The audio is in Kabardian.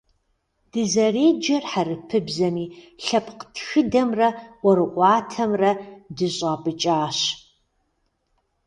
Дызэреджэр хьэрыпыбзэми, лъэпкъ тхыдэмрэ ӀуэрыӀуатэмрэ дыщӀапӀыкӀащ.